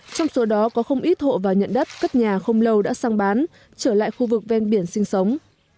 trong số đó có không ít hộ vào nhận đất cất nhà không lâu đã sang bán trở lại khu vực ven biển sinh sống